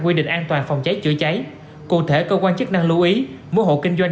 quy định an toàn phòng cháy chữa cháy cụ thể cơ quan chức năng lưu ý mỗi hộ kinh doanh